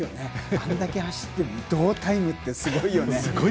あんだけ走っても同タイムってすごいよね。